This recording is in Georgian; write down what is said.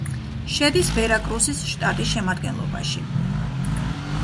შედის ვერაკრუსის შტატის შემადგენლობაში.